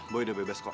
boy udah bebas kok